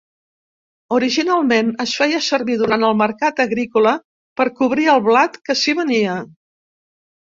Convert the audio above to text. Originalment, es feia servir durant el mercat agrícola per cobrir el blat que s'hi venia.